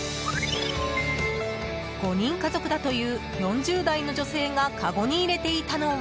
５人家族だという４０代の女性がかごに入れていたのは